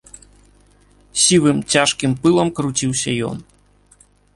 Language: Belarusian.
Сівым, цяжкім пылам круціўся ён.